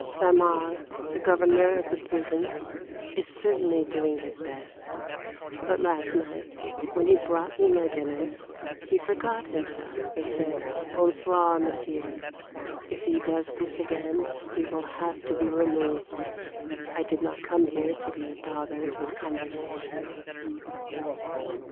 Saint Mars, the Governor of the Prison, is certainly doing his best. But last night, when he brought me my dinner, he forgot himself and said, "Bon Soir, Monsieur." If he does this again he will have to be removed. I did not come here to be bothered with conversation.